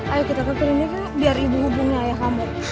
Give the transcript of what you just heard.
ayo kita ke krimnya bu biar ibu hubungin ayah kamu